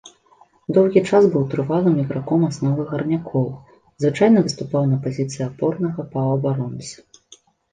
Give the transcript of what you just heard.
Доўгі час быў трывалым іграком асновы гарнякоў, звычайна выступаў на пазіцыі апорнага паўабаронцы.